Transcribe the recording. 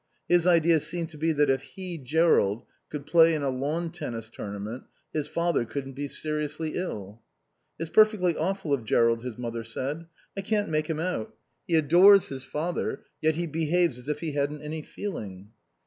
His idea seemed to be that if he, Jerrold, could play in a lawn tennis tournament, his father couldn't be seriously ill. "It's perfectly awful of Jerrold," his mother said. "I can't make him out. He adores his father, yet he behaves as if he hadn't any feeling."